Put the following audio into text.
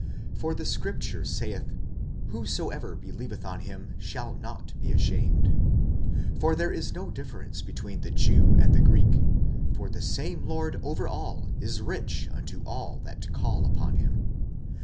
45:010:011 For the scripture saith, Whosoever believeth on him shall not be ashamed. 45:010:012 For there is no difference between the Jew and the Greek: for the same Lord over all is rich unto all that call upon him.